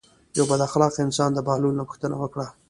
یو بد اخلاقه انسان د بهلول نه پوښتنه وکړه.